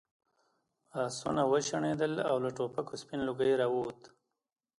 آسونه وشڼېدل او له ټوپکو سپین لوګی راووت.